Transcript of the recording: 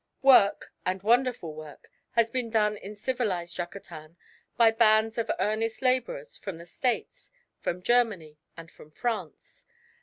Work, and wonderful work, has been done in civilised Yucatan by bands of earnest labourers from the States, from Germany, and from France.